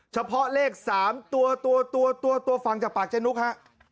เฉพาะเลข๓ตัวตัวฟังจากปากเจนุกฮะ